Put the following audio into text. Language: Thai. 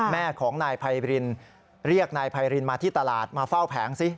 แม่ของนายไพรินเรียกนายไพรินมาที่ตลาดมาเฝ้าแผงซิ